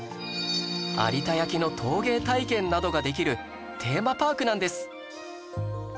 有田焼の陶芸体験などができるテーマパークなんです